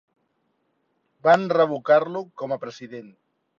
Van revocar-lo com a president.